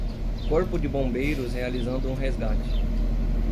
Corpo de bombeiros realizando um resgate.